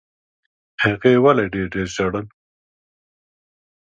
هغې ولي ډېر ډېر ژړل؟